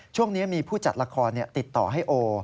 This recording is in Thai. ช่วงนี้มีผู้จัดละครติดต่อให้โอ